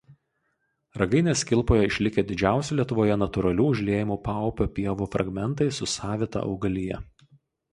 Ragainės kilpoje išlikę didžiausi Lietuvoje natūralių užliejamų paupio pievų fragmentai su savita augalija.